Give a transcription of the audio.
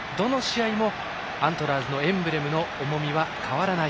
どの試合もアントラーズのエンブレムの重みは変わらない。